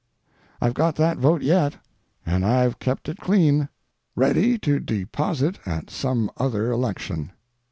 I've got that vote yet, and I've kept it clean, ready to deposit at some other election.